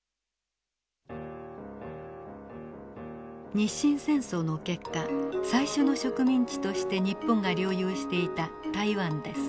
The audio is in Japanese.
日清戦争の結果最初の植民地として日本が領有していた台湾です。